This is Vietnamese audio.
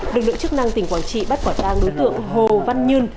lực lượng chức năng tỉnh quảng trị bắt quả tang đối tượng hồ văn nhân